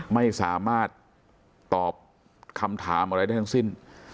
ไม่สามารถตอบคำถามอะไรได้ทั้งสิ้น